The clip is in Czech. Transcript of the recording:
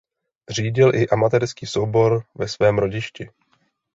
Řídil i amatérský soubor ve svém rodišti.